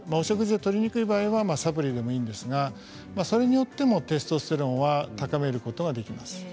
食事でとりにくい場合はサプリでもいいんですがそれによってもテストステロンは高めることができます。